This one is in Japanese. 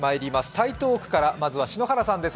台東区からまずは篠原さんです。